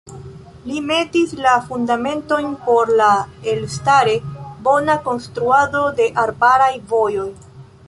Li metis la fundamentojn por la elstare bona konstruado de arbaraj vojoj.